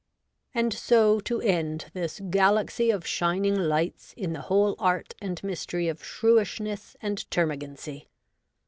And so to end this galaxy of shining lights in the whole art and mystery of shrewishness and terma gancy.